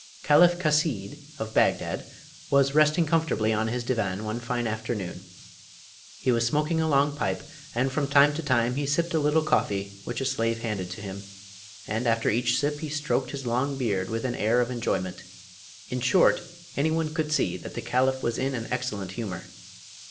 Caliph Chasid, of Bagdad, was resting comfortably on his divan one fine afternoon. He was smoking a long pipe, and from time to time he sipped a little coffee which a slave handed to him, and after each sip he stroked his long beard with an air of enjoyment. In short, anyone could see that the Caliph was in an excellent humour.